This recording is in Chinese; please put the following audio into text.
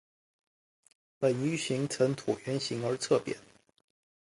本鱼体呈椭圆形而侧扁。